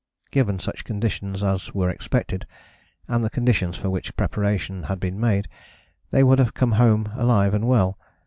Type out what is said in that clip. Given such conditions as were expected, and the conditions for which preparation had been made, they would have come home alive and well.